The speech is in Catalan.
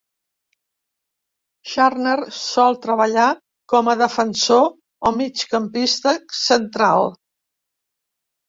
Scharner sol treballar com a defensor o migcampista central.